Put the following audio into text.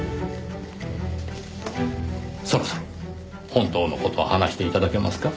そろそろ本当の事を話して頂けますか？